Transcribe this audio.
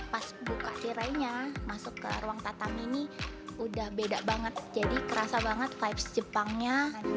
pas buka tirainya masuk ke ruang tata mini udah beda banget jadi kerasa banget vibes jepangnya